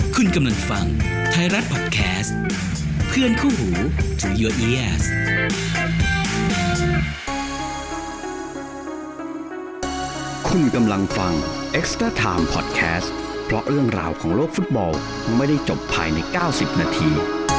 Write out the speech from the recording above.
คุณกำลังฟังไทยรัฐพอดแคสต์เพื่อนคู่หูที่คุณกำลังฟังพอดแคสต์เพราะเรื่องราวของโลกฟุตบอลไม่ได้จบภายใน๙๐นาที